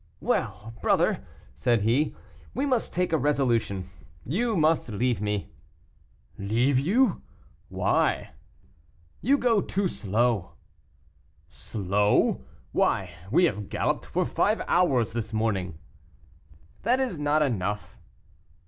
"Well! brother," said he, "we must take a resolution. You must leave me." "Leave you; why?" "You go too slow." "Slow! why, we have galloped for five hours this morning." "That is not enough."